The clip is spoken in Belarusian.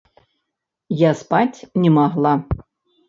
Я спаць не магла.